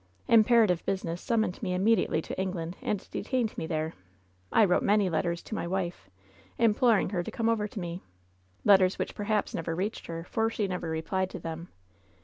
"Imperative business summoned me immediately to England and detained me there. I wrote many letters to my wife, imploring her to come over to me — ^letters which perhaps never reached her, for she never replied to them.